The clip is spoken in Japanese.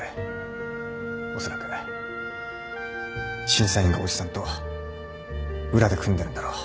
おそらく審査員が叔父さんと裏で組んでるんだろう。